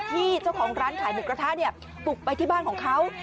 ที่เจ้าของร้านขายหมูกระทะเนี่ยบุกไปที่บ้านของเขา